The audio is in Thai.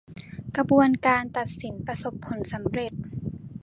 กระบวนการตัดสินประสบผลสำเร็จ